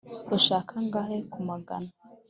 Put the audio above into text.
ushaka angahe ku magana?